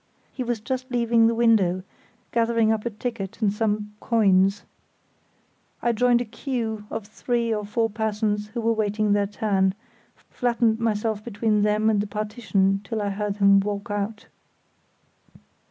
He was just leaving the window, gathering up a ticket and some coins. I joined a queue of three or four persons who were waiting their turn, flattened myself between them and the partition till I heard him walk out.